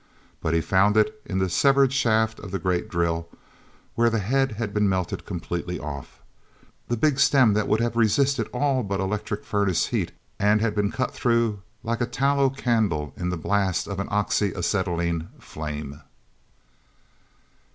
But he found it in the severed shaft of the great drill where the head had been melted completely off. The big stem that would have resisted all but electric furnace heat, and been cut through like a tallow candle in the blast of an oxy acetylene flame.